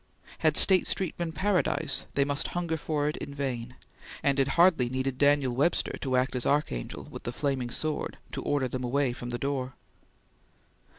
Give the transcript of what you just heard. Had State Street been Paradise, they must hunger for it in vain, and it hardly needed Daniel Webster to act as archangel with the flaming sword, to order them away from the door.